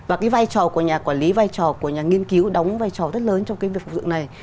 và cái vai trò của nhà quản lý vai trò của nhà nghiên cứu đóng vai trò rất lớn trong cái việc phục dựng này